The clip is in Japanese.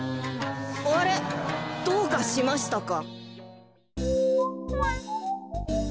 あれどうかしましたか？